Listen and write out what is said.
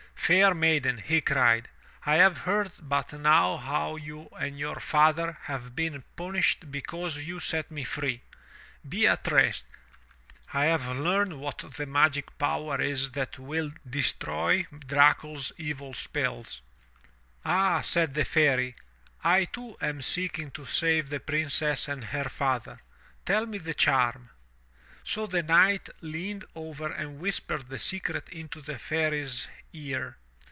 "Fair maiden," he cried, "I have heard but now how you and your father have been punished because you set me free. Be at rest. I have learned what the magic power is that will destroy DracuFs evil spells." Ah," said the Fairy, "I too am seeking to save the Princess and her father. Tell me the charm." So the Knight leaned over and whispered the secret into the Fairy's ear.